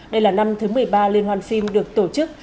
đây là năm thứ một mươi ba liên hoàn phim được tổ chức